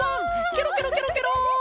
ケロケロケロケロ！